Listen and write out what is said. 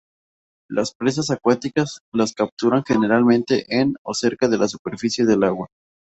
Las presas acuáticas las capturan generalmente en o cerca de la superficie del agua.